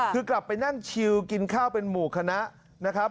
คือกลับไปนั่งชิวกินข้าวเป็นหมู่คณะนะครับ